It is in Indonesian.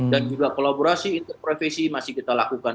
dan juga kolaborasi interprofesi masih kita lakukan